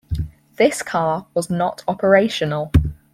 This car was not operational.